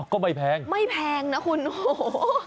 ก็ไม่แพงนะคุณโอ้โฮ